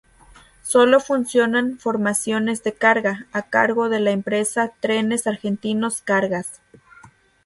Sólo funcionan formaciones de carga, a cargo de la empresa Trenes Argentinos Cargas.